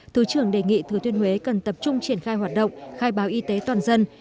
thứ trưởng đề nghị thừa thiên huế cần tập trung triển khai hoạt động khai báo y tế toàn dân